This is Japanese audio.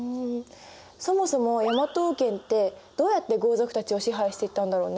そもそも大和王権ってどうやって豪族たちを支配していったんだろうね。